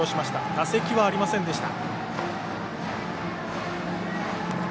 打席はありませんでした。